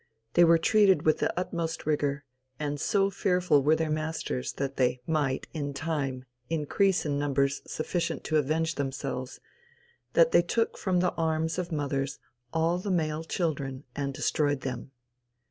They were treated with the utmost rigor, and so fearful were their masters that they might, in time, increase in numbers sufficient to avenge themselves, that they took from the arms of mothers all the male children and destroyed them.